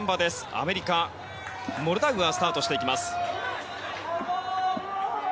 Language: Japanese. アメリカ、モルダウアーがスタートしています。